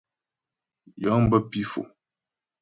Yəŋ bə pǐ Fò.